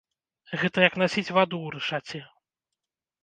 Гэта як насіць ваду ў рэшаце.